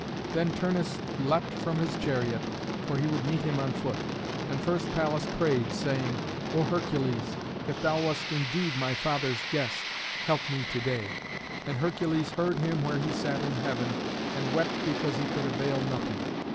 Then Turnus leapt from his chariot, for he would meet him on foot. And first Pallas prayed, saying, "O Hercules! if thou wast indeed my father's guest, help me to day!" And Hercules heard him where he sat in heaven, and wept because he could avail nothing.